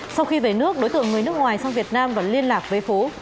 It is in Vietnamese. sau khi về nước đối tượng người nước ngoài sang việt nam và liên lạc với phú